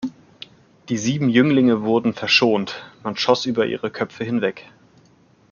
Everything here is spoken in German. Die sieben Jünglinge wurden verschont, man schoss über ihre Köpfe hinweg.